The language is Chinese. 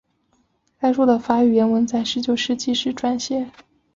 该书的法语原文在十九世纪时撰写。